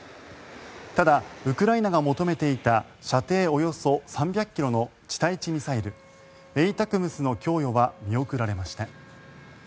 ただ、ウクライナが求めていた射程およそ３００ｋｍの地対地ミサイルＡＴＡＣＭＳの供与は見送られました。